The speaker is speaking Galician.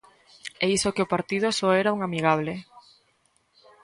E iso que o partido só era un amigable.